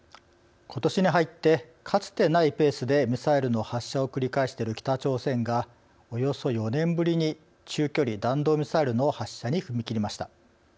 ことしに入ってかつてないペースでミサイルの発射を繰り返している北朝鮮が、およそ４年ぶりに中距離弾道ミサイルの発射に踏み切りました。